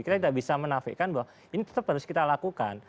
kita tidak bisa menafikan bahwa ini tetap harus kita lakukan